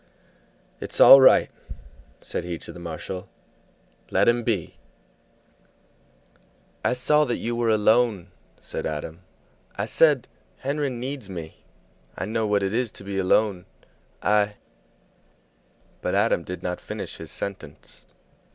"It's all right," said he to the marshal. "Let him be." "I saw you were alone," said Adam. "I said, 'Henry needs me.' I know what it is to be alone. I " But Adam did not finish his sentence.